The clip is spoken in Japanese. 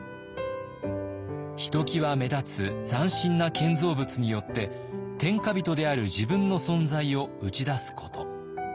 ひときわ目立つ斬新な建造物によって天下人である自分の存在を打ち出すこと。